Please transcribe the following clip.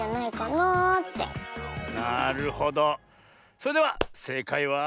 それではせいかいは。